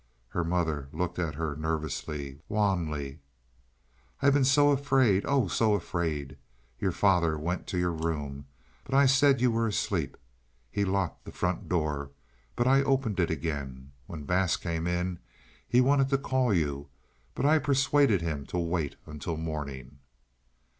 Her mother looked at her nervously, wanly. "I have been so afraid, oh, so afraid. Your father went to your room, but I said you were asleep. He locked the front door, but I opened it again. When Bass came in he wanted to call you, but I persuaded him to wait until morning."